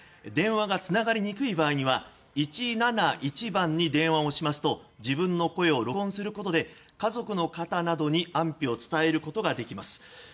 電話がつながりにくい場合には１７１番に電話をしますと自分の声を録音することで家族の方などに安否を伝えることができます。